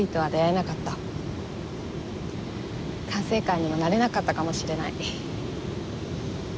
管制官にもなれなかったかもしれない。